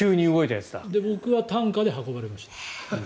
僕は担架で運ばれました。